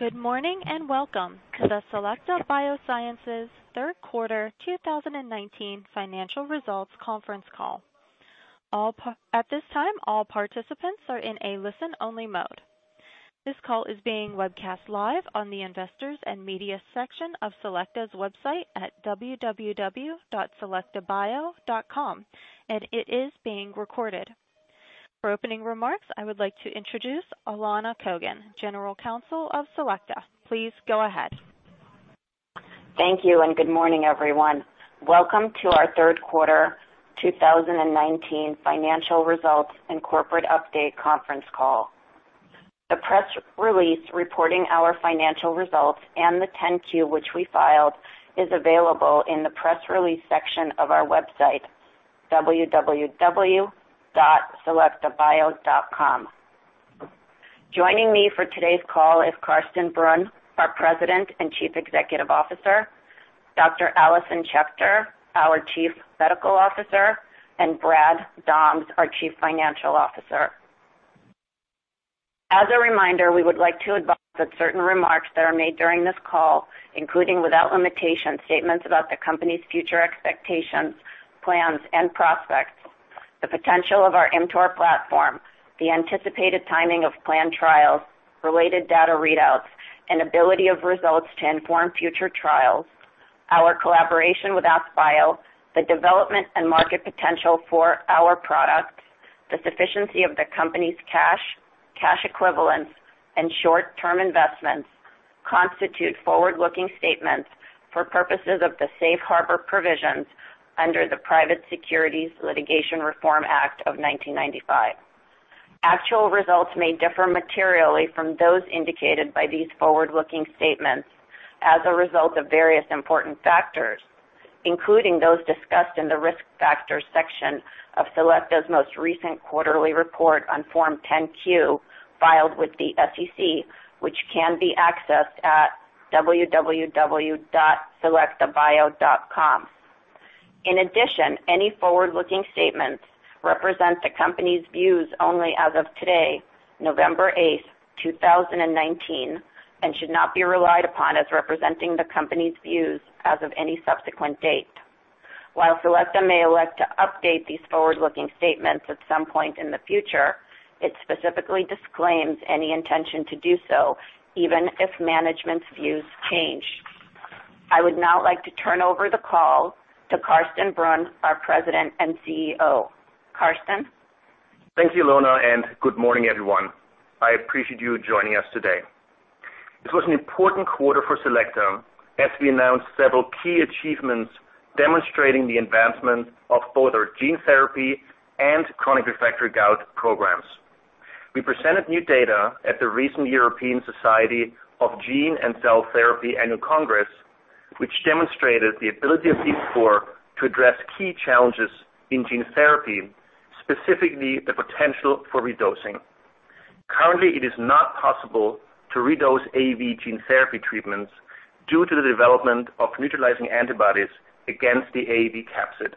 Good morning, and welcome to the Selecta Biosciences third quarter 2019 financial results conference call. At this time, all participants are in a listen-only mode. This call is being webcast live on the Investors and Media section of Selecta's website at www.selectabio.com, and it is being recorded. For opening remarks, I would like to introduce Elona Kogan, general counsel of Selecta. Please go ahead. Thank you. Good morning, everyone. Welcome to our third quarter 2019 financial results and corporate update conference call. The press release reporting our financial results and the 10-Q, which we filed, is available in the Press Release section of our website, www.selectabio.com. Joining me for today's call is Carsten Brunn, our President and Chief Executive Officer, Dr. Alison Schecter, our Chief Medical Officer, and Brad Dahms, our Chief Financial Officer. As a reminder, we would like to advise that certain remarks that are made during this call, including without limitation, statements about the company's future expectations, plans and prospects, the potential of our ImmTOR platform, the anticipated timing of planned trials, related data readouts, and ability of results to inform future trials, our collaboration with AskBio, the development and market potential for our products, the sufficiency of the company's cash equivalents, and short-term investments, constitute forward-looking statements for purposes of the safe harbor provisions under the Private Securities Litigation Reform Act of 1995. Actual results may differ materially from those indicated by these forward-looking statements as a result of various important factors, including those discussed in the Risk Factors section of Selecta's most recent quarterly report on Form 10-Q filed with the SEC, which can be accessed at www.selectabio.com. In addition, any forward-looking statements represent the company's views only as of today, November 8th, 2019, and should not be relied upon as representing the company's views as of any subsequent date. While Selecta may elect to update these forward-looking statements at some point in the future, it specifically disclaims any intention to do so, even if management's views change. I would now like to turn over the call to Carsten Brunn, our President and CEO. Carsten? Thank you, Elona. Good morning, everyone. I appreciate you joining us today. This was an important quarter for Selecta as we announced several key achievements demonstrating the advancement of both our gene therapy and chronic refractory gout programs. We presented new data at the recent European Society of Gene and Cell Therapy Annual Congress, which demonstrated the ability of ImmTOR to address key challenges in gene therapy, specifically the potential for redosing. Currently, it is not possible to redose AAV gene therapy treatments due to the development of neutralizing antibodies against the AAV capsid.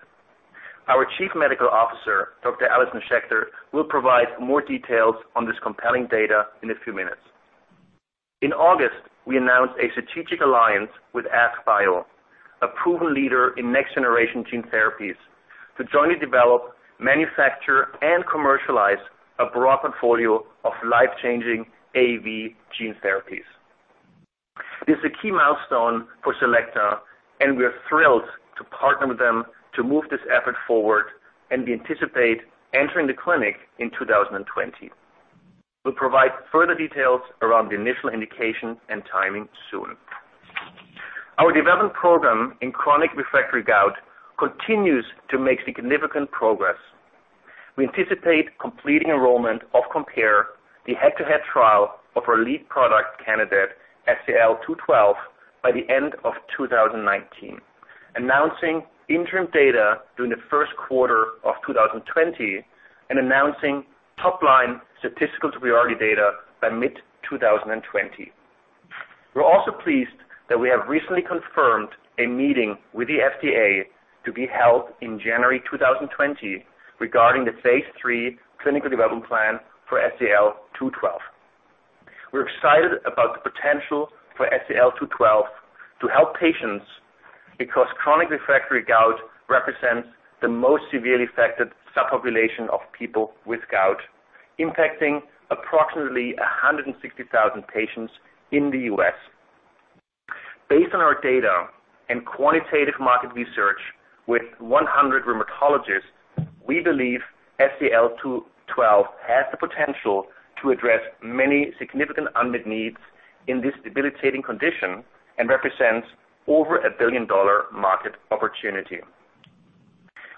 Our Chief Medical Officer, Dr. Alison Schecter, will provide more details on this compelling data in a few minutes. In August, we announced a strategic alliance with AskBio, a proven leader in next-generation gene therapies, to jointly develop, manufacture, and commercialize a broad portfolio of life-changing AAV gene therapies. This is a key milestone for Selecta, we are thrilled to partner with them to move this effort forward, and we anticipate entering the clinic in 2020. We'll provide further details around the initial indication and timing soon. Our development program in chronic refractory gout continues to make significant progress. We anticipate completing enrollment of COMPARE, the head-to-head trial of our lead product candidate, SEL-212, by the end of 2019, announcing interim data during the first quarter of 2020, and announcing top-line statistical priority data by mid-2020. We're also pleased that we have recently confirmed a meeting with the FDA to be held in January 2020 regarding the phase III clinical development plan for SEL-212. We're excited about the potential for SEL-212 to help patients because chronic refractory gout represents the most severely affected subpopulation of people with gout, impacting approximately 160,000 patients in the U.S. Based on our data and quantitative market research with 100 rheumatologists, we believe SEL-212 has the potential to address many significant unmet needs in this debilitating condition and represents over a billion-dollar market opportunity.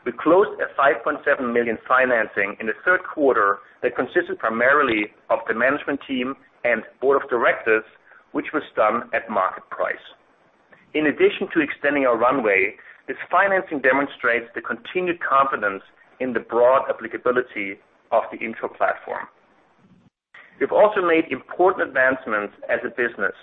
We closed a $5.7 million financing in the third quarter that consisted primarily of the management team and board of directors, which was done at market price. In addition to extending our runway, this financing demonstrates the continued confidence in the broad applicability of the ImmTOR platform. We've also made important advancements as a business.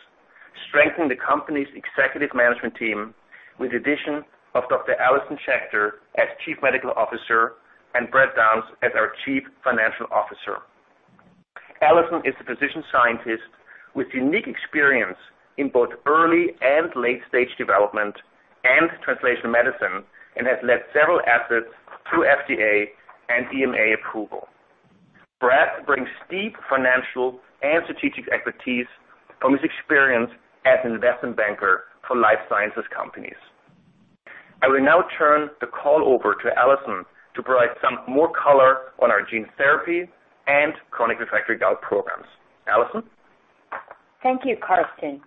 Strengthen the company's executive management team with the addition of Dr. Alison Schecter as Chief Medical Officer and Brad Dahms as our Chief Financial Officer. Alison is a physician scientist with unique experience in both early and late-stage development and translational medicine and has led several assets through FDA and EMA approval. Brad brings deep financial and strategic expertise from his experience as an investment banker for life sciences companies. I will now turn the call over to Alison to provide some more color on our gene therapy and chronic refractory gout programs. Alison? Thank you, Carsten.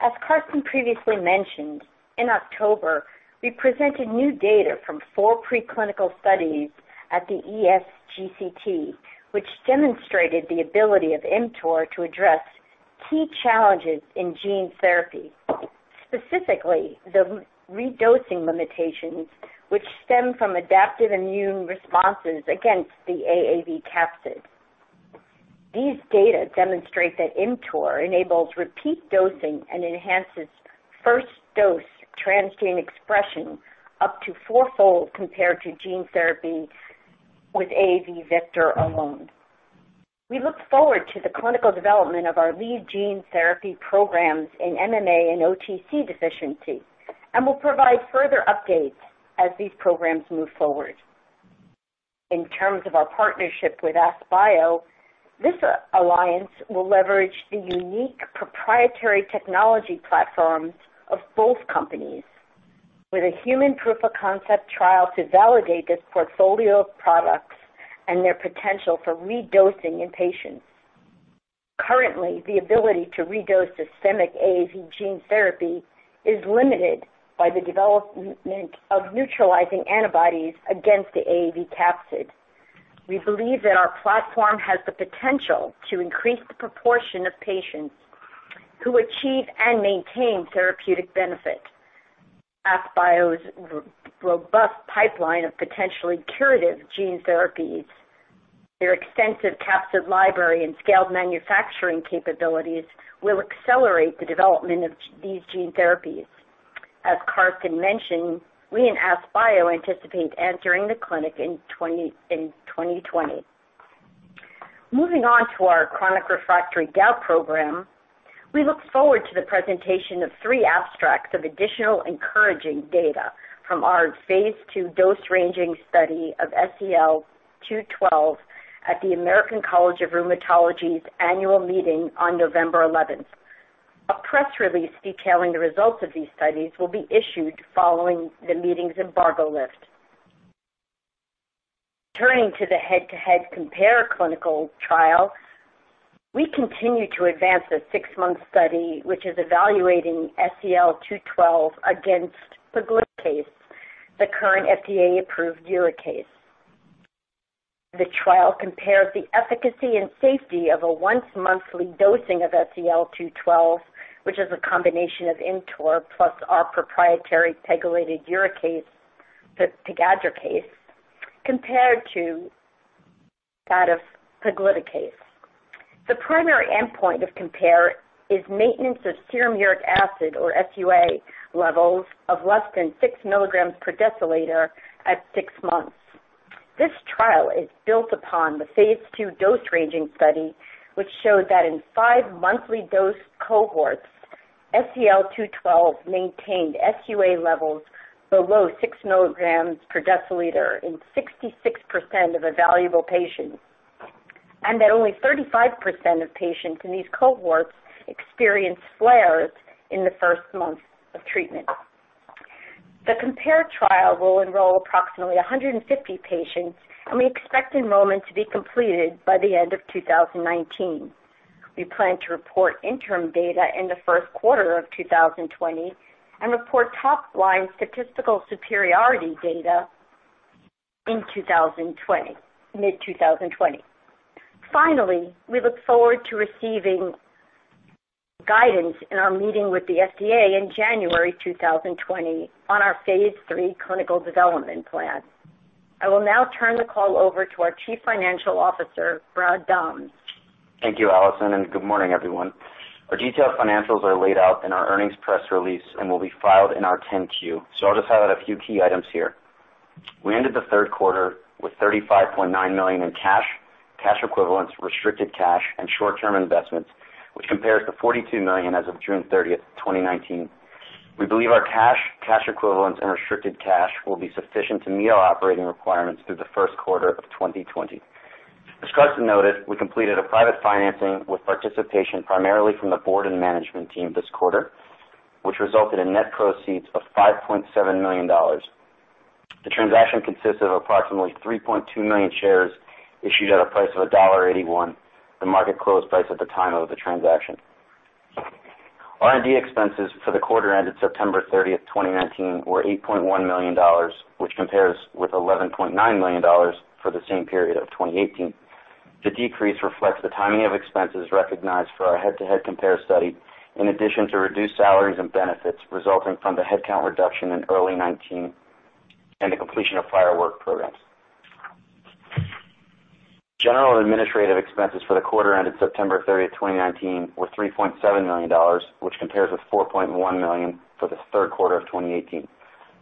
As Carsten previously mentioned, in October, we presented new data from four preclinical studies at the ESGCT, which demonstrated the ability of ImmTOR to address key challenges in gene therapy, specifically the redosing limitations, which stem from adaptive immune responses against the AAV capsid. These data demonstrate that ImmTOR enables repeat dosing and enhances first dose transgene expression up to fourfold compared to gene therapy with AAV vector alone. We look forward to the clinical development of our lead gene therapy programs in MMA and OTC deficiency and will provide further updates as these programs move forward. In terms of our partnership with AskBio, this alliance will leverage the unique proprietary technology platforms of both companies with a human proof of concept trial to validate this portfolio of products and their potential for redosing in patients. Currently, the ability to redose systemic AAV gene therapy is limited by the development of neutralizing antibodies against the AAV capsid. We believe that our platform has the potential to increase the proportion of patients who achieve and maintain therapeutic benefit. AskBio's robust pipeline of potentially curative gene therapies, their extensive capsid library, and scaled manufacturing capabilities will accelerate the development of these gene therapies. As Carsten mentioned, we and AskBio anticipate entering the clinic in 2020. Moving on to our chronic refractory gout program, we look forward to the presentation of three abstracts of additional encouraging data from our phase II dose-ranging study of SEL-212 at the American College of Rheumatology's annual meeting on November 11th. A press release detailing the results of these studies will be issued following the meeting's embargo lift. Turning to the head-to-head COMPARE clinical trial, we continue to advance the six-month study, which is evaluating SEL-212 against pegloticase, the current FDA-approved uricase. The trial compares the efficacy and safety of a once-monthly dosing of SEL-212, which is a combination of ImmTOR plus our proprietary pegylated uricase, the pegloticase, compared to that of pegloticase. The primary endpoint of COMPARE is maintenance of serum uric acid or SUA levels of less than six milligrams per deciliter at six months. This trial is built upon the phase II dose-ranging study, which showed that in five monthly dose cohorts, SEL-212 maintained SUA levels below six milligrams per deciliter in 66% of evaluable patients, and that only 35% of patients in these cohorts experienced flares in the first month of treatment. The COMPARE trial will enroll approximately 150 patients, and we expect enrollment to be completed by the end of 2019. We plan to report interim data in the first quarter of 2020 and report top-line statistical superiority data in mid 2020. Finally, we look forward to receiving guidance in our meeting with the FDA in January 2020 on our phase III clinical development plan. I will now turn the call over to our Chief Financial Officer, Brad Dahms. Thank you, Alison, and good morning, everyone. Our detailed financials are laid out in our earnings press release and will be filed in our 10-Q. I'll just highlight a few key items here. We ended the third quarter with $35.9 million in cash equivalents, restricted cash, and short-term investments, which compares to $42 million as of June 30, 2019. We believe our cash equivalents, and restricted cash will be sufficient to meet our operating requirements through the first quarter of 2020. As Carsten noted, we completed a private financing with participation primarily from the board and management team this quarter, which resulted in net proceeds of $5.7 million. The transaction consists of approximately 3.2 million shares issued at a price of $1.81, the market close price at the time of the transaction. R&D expenses for the quarter ended September 30th, 2019, were $8.1 million, which compares with $11.9 million for the same period of 2018. The decrease reflects the timing of expenses recognized for our head-to-head COMPARE study, in addition to reduced salaries and benefits resulting from the headcount reduction in early 2019 and the completion of prior work programs. Administrative expenses for the quarter ended September 30th, 2019 were $3.7 million, which compares with $4.1 million for the third quarter of 2018.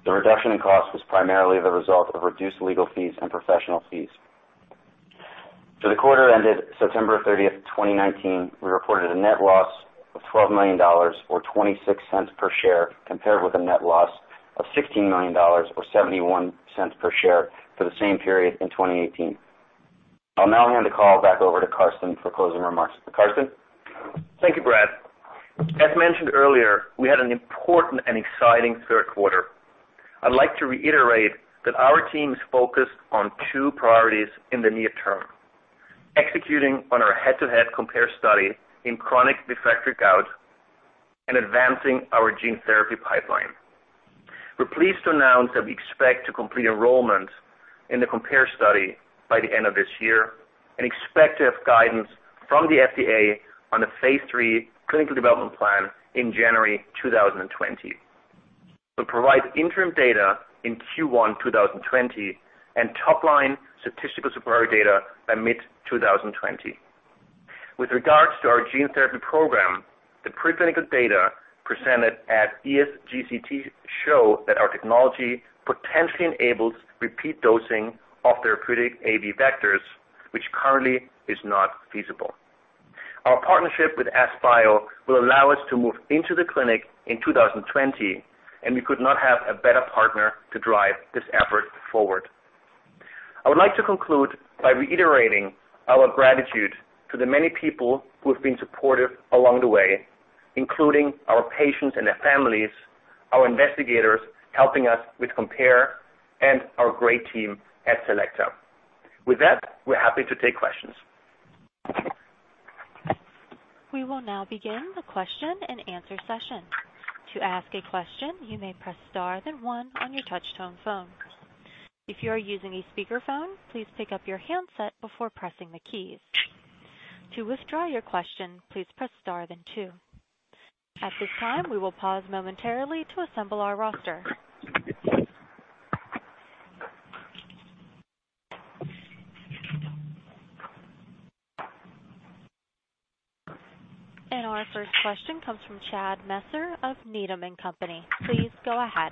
The reduction in cost was primarily the result of reduced legal fees and professional fees. For the quarter ended September 30th, 2019, we reported a net loss of $12 million, or $0.26 per share, compared with a net loss of $16 million or $0.71 per share for the same period in 2018. I'll now hand the call back over to Carsten for closing remarks. Carsten? Thank you, Brad. As mentioned earlier, we had an important and exciting third quarter. I'd like to reiterate that our team is focused on two priorities in the near term: executing on our head-to-head COMPARE study in chronic refractory gout and advancing our gene therapy pipeline. We're pleased to announce that we expect to complete enrollment in the COMPARE study by the end of this year and expect to have guidance from the FDA on the phase III clinical development plan in January 2020. We'll provide interim data in Q1 2020 and top-line statistical summary data by mid-2020. With regards to our gene therapy program, the preclinical data presented at ESGCT show that our technology potentially enables repeat dosing of therapeutic AAV vectors, which currently is not feasible. Our partnership with AskBio will allow us to move into the clinic in 2020, and we could not have a better partner to drive this effort forward. I would like to conclude by reiterating our gratitude to the many people who have been supportive along the way, including our patients and their families, our investigators helping us with COMPARE, and our great team at Selecta. With that, we're happy to take questions. We will now begin the question-and-answer session. To ask a question, you may press star then one on your touch-tone phone. If you are using a speakerphone, please pick up your handset before pressing the keys. To withdraw your question, please press star then two. At this time, we will pause momentarily to assemble our roster. Our first question comes from Chad Messer of Needham & Company. Please go ahead.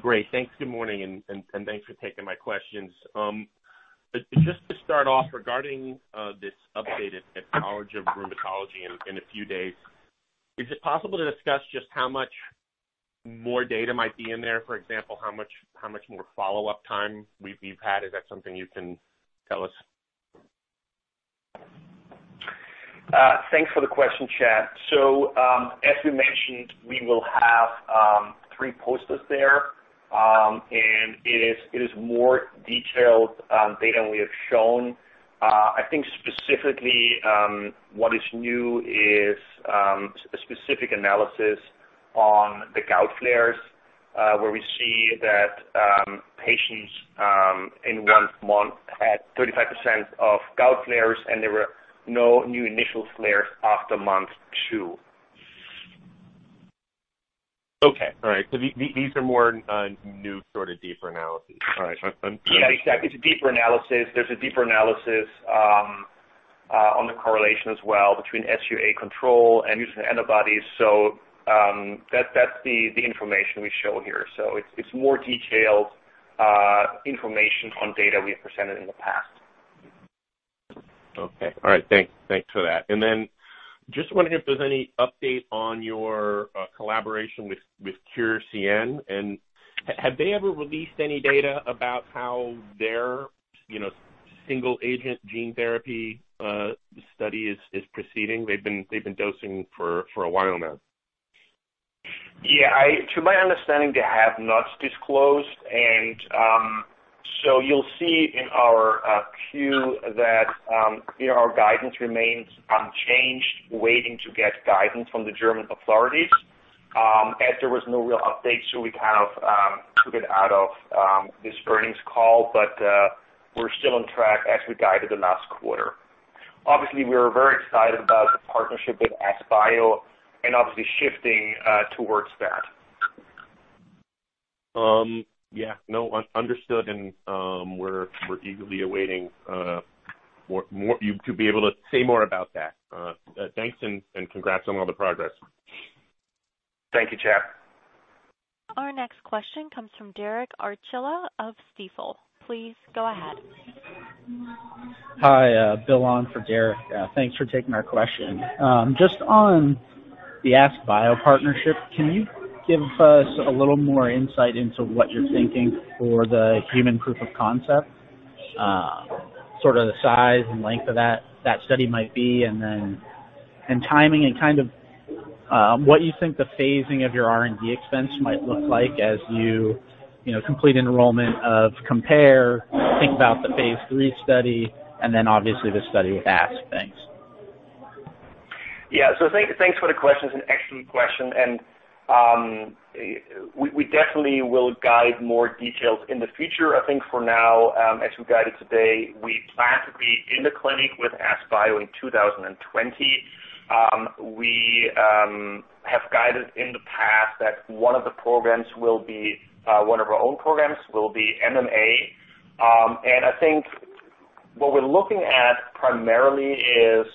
Great. Thanks. Good morning. Thanks for taking my questions. Just to start off, regarding this update at College of Rheumatology in a few days, is it possible to discuss just how much more data might be in there? For example, how much more follow-up time we've had? Is that something you can tell us? Thanks for the question, Chad. As we mentioned, we will have three posters there, and it is more detailed data we have shown. I think specifically what is new is a specific analysis on the gout flares, where we see that patients in one month had 35% of gout flares and there were no new initial flares after month two. Okay. All right. These are more new sort of deeper analyses. All right. Yeah, exactly. It's a deeper analysis. There's a deeper analysis on the correlation as well between SUA control and use of antibodies. That's the information we show here. It's more detailed information on data we have presented in the past. Okay. All right. Thanks for that. Then just wondering if there's any update on your collaboration with CureCN, and have they ever released any data about how their single agent gene therapy study is proceeding? They've been dosing for a while now. Yeah. To my understanding, they have not disclosed. You'll see in our 10-Q that our guidance remains unchanged, waiting to get guidance from the German authorities, as there was no real update, so we kind of took it out of this earnings call, but we're still on track as we guided the last quarter. Obviously, we are very excited about the partnership with AskBio and obviously shifting towards that. Yeah. No. Understood. We're eagerly awaiting you to be able to say more about that. Thanks. Congrats on all the progress. Thank you, Chad. Our next question comes from Derek Archila of Stifel. Please go ahead. Hi, Bill on for Derek. Thanks for taking our question. Just on the AskBio partnership, can you give us a little more insight into what you're thinking for the human proof of concept, sort of the size and length of that study might be, and then timing and kind of what you think the phasing of your R&D expense might look like as you complete enrollment of COMPARE, think about the phase III study, and then obviously the study with Ask. Thanks. Yeah. Thanks for the question. It's an excellent question, and we definitely will guide more details in the future. I think for now, as we guided today, we plan to be in the clinic with AskBio in 2020. We have guided in the past that one of our own programs will be MMA. What we're looking at primarily is,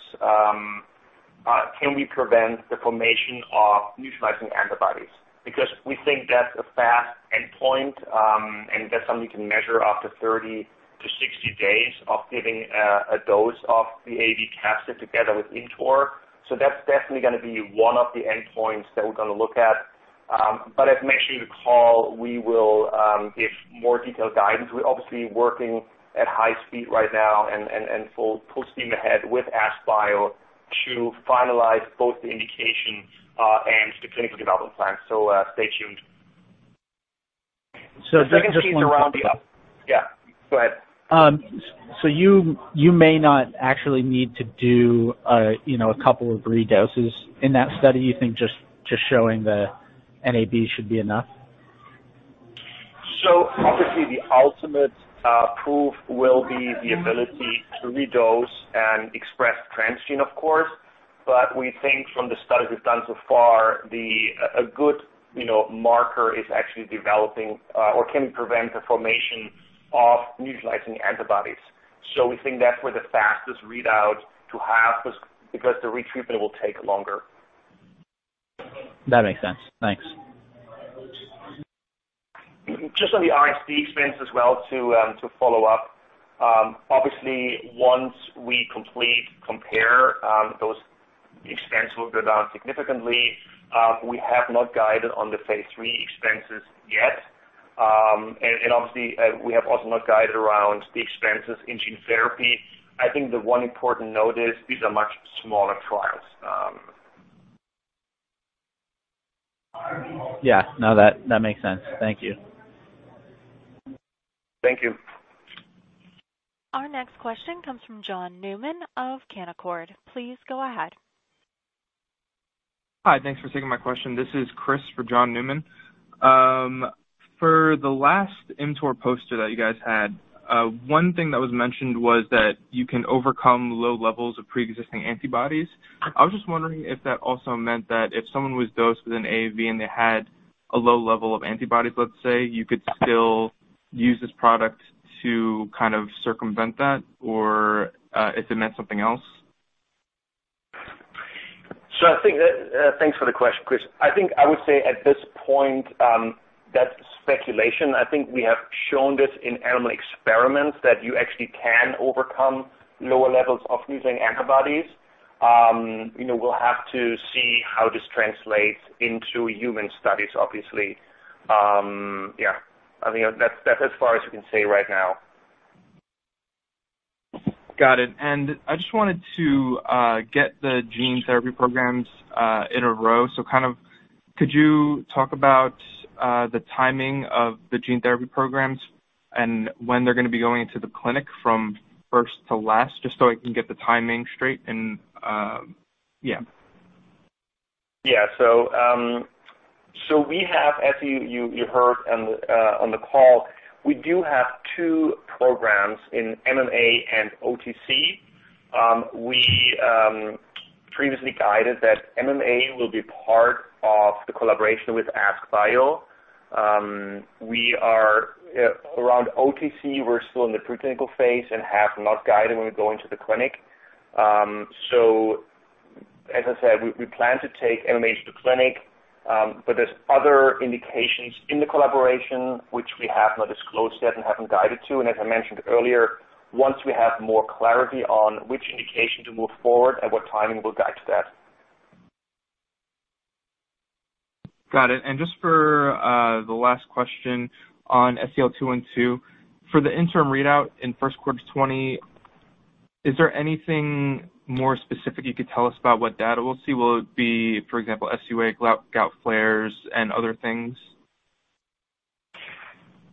can we prevent the formation of neutralizing antibodies? Because we think that's a fast endpoint, and that's something we can measure after 30-60 days of giving a dose of the AAV captive together with ImmTOR. That's definitely going to be one of the endpoints that we're going to look at. As mentioned in the call, we will give more detailed guidance. We're obviously working at high speed right now and full steam ahead with AskBio to finalize both the indication, and the clinical development plan. Stay tuned. So just one- The second piece is around. Yeah, go ahead. You may not actually need to do a couple of redoses in that study. You think just showing the NAB should be enough? Obviously, the ultimate proof will be the ability to redose and express transgene, of course. We think from the studies we've done so far, a good marker is actually developing or can prevent the formation of neutralizing antibodies. We think that's where the fastest readout to have is because the retreatment will take longer. That makes sense. Thanks. Just on the R&D expense as well to follow up. Obviously, once we complete COMPARE, those expense will go down significantly. We have not guided on the phase III expenses yet. Obviously, we have also not guided around the expenses in gene therapy. I think the one important note is these are much smaller trials. Yeah. No, that makes sense. Thank you. Thank you. Our next question comes from John Newman of Canaccord. Please go ahead. Hi, thanks for taking my question. This is Chris for John Newman. For the last ImmTOR poster that you guys had, one thing that was mentioned was that you can overcome low levels of preexisting antibodies. I was just wondering if that also meant that if someone was dosed with an AAV and they had a low level of antibodies, let's say, you could still use this product to circumvent that or if it meant something else. Thanks for the question, Chris. I think I would say at this point, that's speculation. I think we have shown this in animal experiments that you actually can overcome lower levels of neutralizing antibodies. We'll have to see how this translates into human studies, obviously. Yeah. That's as far as we can say right now. Got it. I just wanted to get the gene therapy programs in a row. Could you talk about the timing of the gene therapy programs and when they're going to be going into the clinic from first to last, just so I can get the timing straight? Yeah. We have, as you heard on the call, we do have two programs in MMA and OTC. We previously guided that MMA will be part of the collaboration with AskBio. Around OTC, we're still in the pre-clinical phase and have not guided when we go into the clinic. As I said, we plan to take MMA to clinic. There's other indications in the collaboration which we have not disclosed yet and haven't guided to. As I mentioned earlier, once we have more clarity on which indication to move forward and what timing, we'll guide to that. Got it. Just for the last question on SEL-212. For the interim readout in first quarter 2020, is there anything more specific you could tell us about what data we'll see? Will it be, for example, SUA, gout flares, and other things?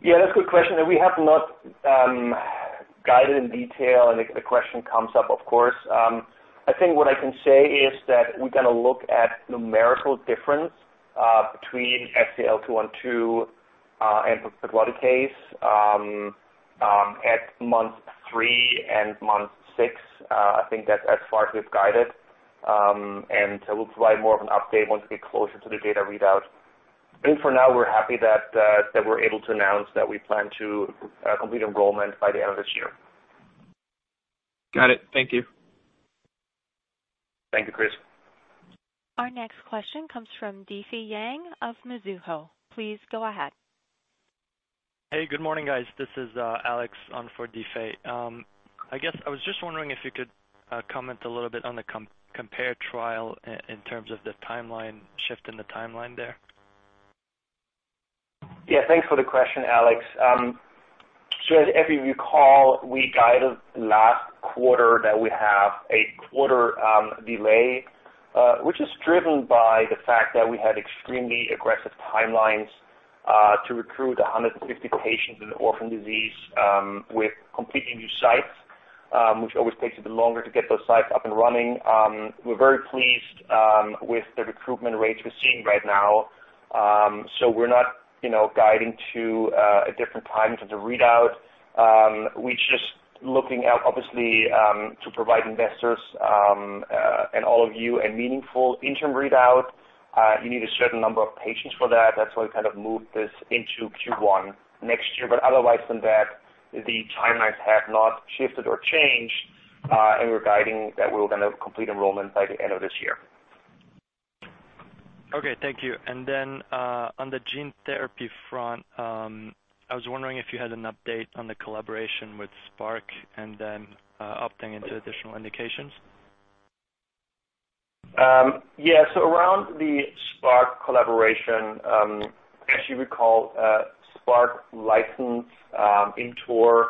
Yeah, that's a good question. We have not guided in detail. The question comes up, of course. I think what I can say is that we're going to look at numerical difference between SEL-212 and pegloticase at month three and month six. I think that's as far as we've guided. We'll provide more of an update once we get closer to the data readout. I think for now, we're happy that we're able to announce that we plan to complete enrollment by the end of this year. Got it. Thank you. Thank you, Chris. Our next question comes from Difei Yang of Mizuho. Please go ahead. Hey, good morning, guys. This is Alex on for Difei. I was just wondering if you could comment a little bit on the COMPARE trial in terms of the timeline, shift in the timeline there. Yeah, thanks for the question, Alex. As every recall, we guided last quarter that we have a quarter delay, which is driven by the fact that we had extremely aggressive timelines to recruit 150 patients in the orphan disease, with completely new sites, which always takes a bit longer to get those sites up and running. We're very pleased with the recruitment rates we're seeing right now. We're not guiding to a different time for the readout. We're just looking out obviously to provide investors and all of you a meaningful interim readout. You need a certain number of patients for that. That's why we kind of moved this into Q1 next year. Otherwise than that, the timelines have not shifted or changed, and we're guiding that we're going to complete enrollment by the end of this year. Okay. Thank you. On the gene therapy front, I was wondering if you had an update on the collaboration with Spark and then opting into additional indications? Yeah. Around the Spark collaboration, as you recall, Spark licensed ImmTOR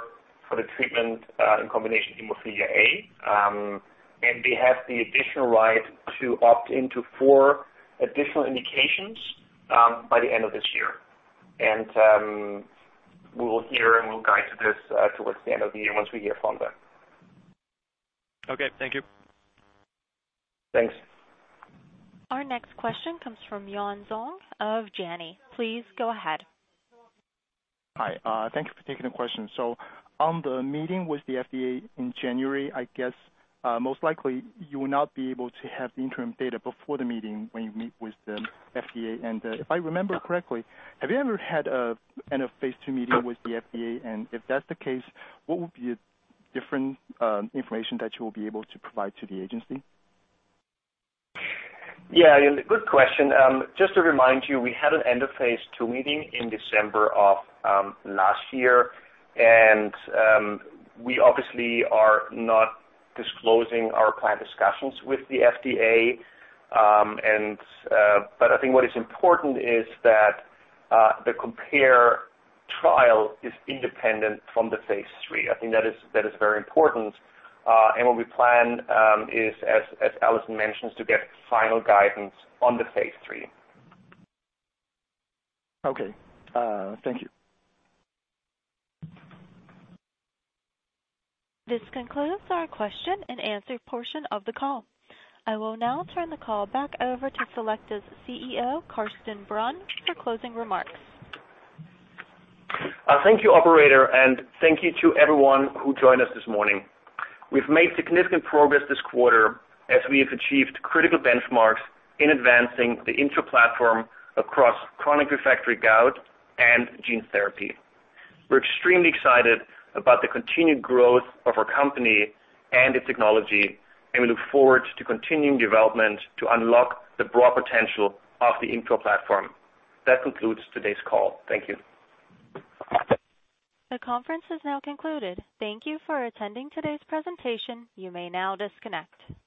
for the treatment in combination hemophilia A, and they have the additional right to opt into four additional indications, by the end of this year. We will hear and we'll guide to this towards the end of the year once we hear from them. Okay. Thank you. Thanks. Our next question comes from Yun Zhong of Janney. Please go ahead. Hi. Thank you for taking the question. On the meeting with the FDA in January, I guess, most likely you will not be able to have the interim data before the meeting when you meet with the FDA. If I remember correctly, have you ever had an end of phase II meeting with the FDA? If that's the case, what would be a different information that you will be able to provide to the agency? Yeah, good question. Just to remind you, we had an end of phase II meeting in December of last year. We obviously are not disclosing our planned discussions with the FDA. I think what is important is that the COMPARE trial is independent from the phase III. I think that is very important. What we plan is as Alison mentions, to get final guidance on the phase III. Okay. Thank you. This concludes our question-and-answer portion of the call. I will now turn the call back over to Selecta's CEO, Carsten Brunn, for closing remarks. Thank you, operator, and thank you to everyone who joined us this morning. We've made significant progress this quarter as we have achieved critical benchmarks in advancing the ImmTOR platform across chronic refractory gout and gene therapy. We're extremely excited about the continued growth of our company and its technology, and we look forward to continuing development to unlock the broad potential of the ImmTOR platform. That concludes today's call. Thank you. The conference is now concluded. Thank You for attending today's presentation. You may now disconnect.